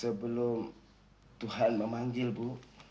sebelum tuhan memanggil bu